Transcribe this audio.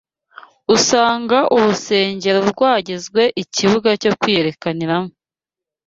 Usanga urusengero rwagizwe ikibuga cyo kwiyerekaniramo